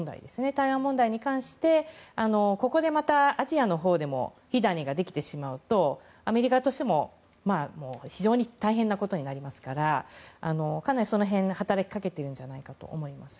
台湾問題に関してここでまたアジアのほうでも火種ができてしまうとアメリカとしても非常に大変なことになりますからかなりその辺働きかけてるんじゃないかと思います。